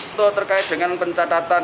untuk terkait dengan pencatatan